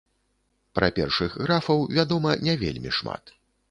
Пра першых графаў вядома не вельмі шмат.